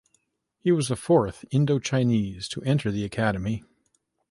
He was the fourth Indochinese to enter the academy.